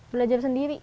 belajar sendiri aja gitu